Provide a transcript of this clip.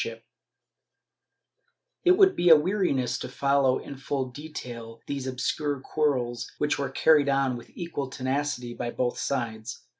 ^ It would be a weariness to follow in further detail these obscure quarrels which were carried on with equal tenacity by both sides.